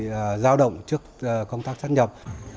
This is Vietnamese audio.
không bị giao động trước công tác sắp nhập